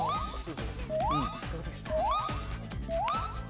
どうですか。